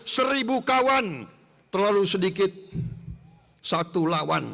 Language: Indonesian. seribu kawan terlalu sedikit satu lawan